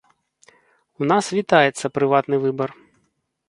У нас вітаецца прыватны выбар.